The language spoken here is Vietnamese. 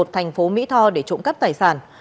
thành phố mỹ tho để trộm cắt tài sản